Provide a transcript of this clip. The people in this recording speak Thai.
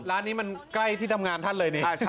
ร้านนี้มันใกล้ที่ทำงานท่านเลยนี่